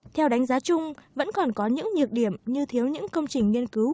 theo đánh giá chung vẫn còn có những nhược điểm như thiếu những công trình nghiên cứu